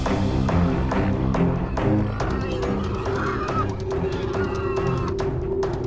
aduh banyak cepetan ya